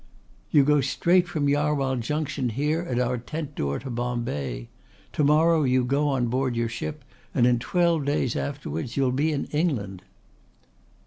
"You go straight from Jarwhal Junction here at our tent door to Bombay. To morrow you go on board your ship and in twelve days afterwards you'll be in England."